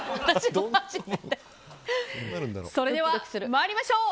それでは、参りましょう。